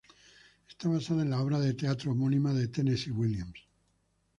Está basada en la obra de teatro homónima de Tennessee Williams.